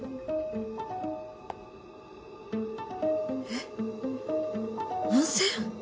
えっ温泉！？